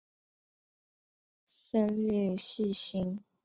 深绿细辛为马兜铃科细辛属下的一个变种。